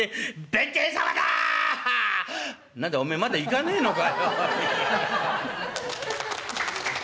何だおめえまだ行かねえのか？」。